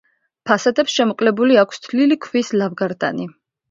ფასადებს შემოკლებული აქვს თლილი ქვის ლავგარდანი.